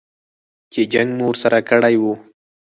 چې جنګ مو ورسره کړی و.